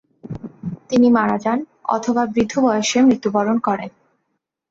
তিনি মারা যান, অথবা বৃদ্ধ বয়সে মৃত্যুবরণ করেন।